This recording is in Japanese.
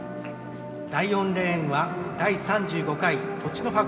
第４レーンは第３５回栃の葉